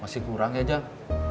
masih kurang ya jack